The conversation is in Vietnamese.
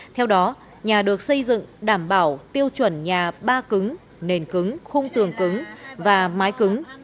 theo đó nhà được xây dựng đảm bảo tiêu chuẩn nhà ba cứng nền cứng khung tường cứng và mái cứng